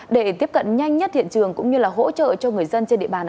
để tiếp cận nhanh nhất hiện trường cũng như là hỗ trợ cho người dân trên địa bàn